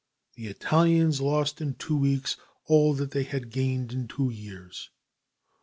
The Italians lost in two weeks all that they had gained in two years.